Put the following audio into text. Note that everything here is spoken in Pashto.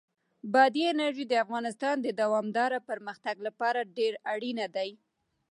بادي انرژي د افغانستان د دوامداره پرمختګ لپاره ډېر اړین دي.